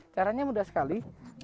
caranya mudah sekali